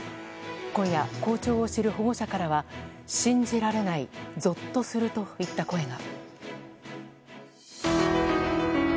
今夜、校長を知る保護者からは信じられないぞっとするといった声が。